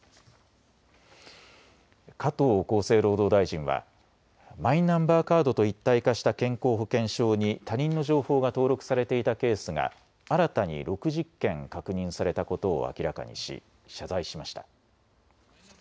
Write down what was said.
加藤厚生労働大臣はマイナンバーカードと一体化した健康保険証に他人の情報が登録されていたケースが新たに６０件確認されたことを明らかにし謝罪しました。